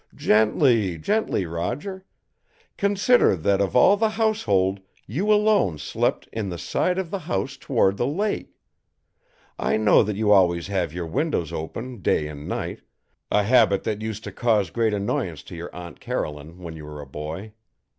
"Gently, gently, Roger! Consider that of all the household you alone slept in the side of the house toward the lake. I know that you always have your windows open day and night a habit that used to cause great annoyance to your Aunt Caroline when you were a boy.